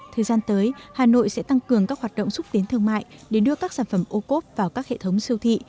thời gian tới hà nội sẽ tăng cường các hoạt động xúc tiến thương mại để đưa các sản phẩm ô cốp vào các hệ thống siêu thị